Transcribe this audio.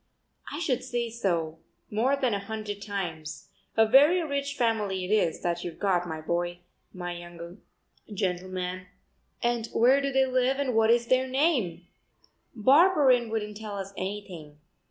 "I should say so more than a hundred times. A very rich family it is, that you've got, my boy, my young gentleman." "And where do they live and what is their name?" "Barberin wouldn't tell us anything.